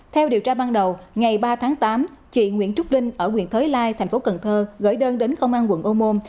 theo điều tra ban đầu ngày ba tháng tám chị nguyễn trúc linh ở quyền thới lai thành phố cần thơ gửi đơn đến công an quận ô môn